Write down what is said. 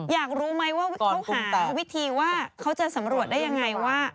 อยากรู้ไหมว่าเขาหาวิธีว่าเขาจะสำรวจได้ยังไงว่า